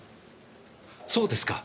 そうですか。